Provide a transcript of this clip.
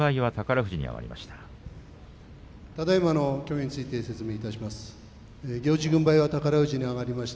ただいまの協議について説明します。